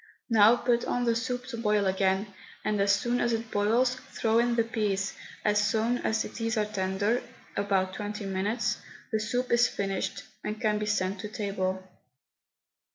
Now put on the soup to boil again, and as soon as it boils throw in the peas; as soon as these are tender about twenty minutes the soup is finished and can be sent to table.